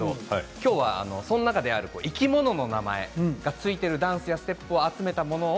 きょうはその中で生き物の名前が付いているダンスやステップを集めたもの